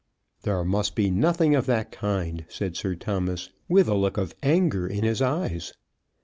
"There must be nothing of that kind," said Sir Thomas, with a look of anger in his eyes.